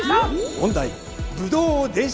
問題。